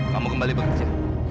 kamu kembali bekerja